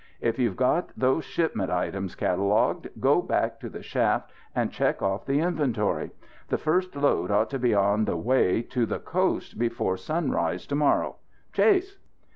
If you've got those shipment items catalogued, go back to the shaft and check off the inventory. The first load ought to be on the way to the coast before sunrise to morrow. Chase!"